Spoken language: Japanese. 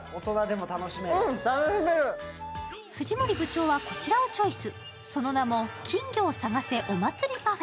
藤森部長はこちらをチョイス。